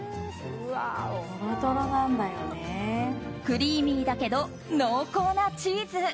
クリーミーだけど濃厚なチーズ。